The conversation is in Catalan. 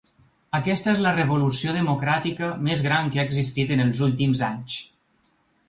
Aquesta és la revolució democràtica més gran que ha existit els últims anys.